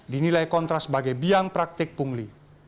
dinilai kontras sebagai biang praktik pungli